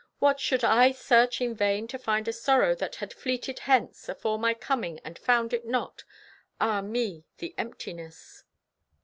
What! Should I search in vain To find a sorrow that had fleeted hence Afore my coming and found it not? Ah, me, the emptiness!